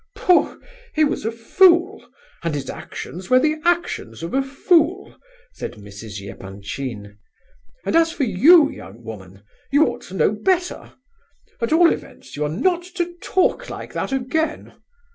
"Pooh! he was a fool, and his actions were the actions of a fool," said Mrs. Epanchin; "and as for you, young woman, you ought to know better. At all events, you are not to talk like that again.